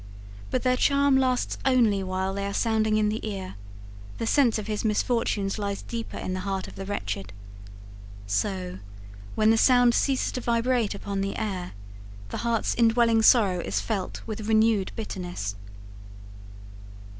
But their charm lasts only while they are sounding in the ear; the sense of his misfortunes lies deeper in the heart of the wretched. So, when the sound ceases to vibrate upon the air, the heart's indwelling sorrow is felt with renewed bitterness.'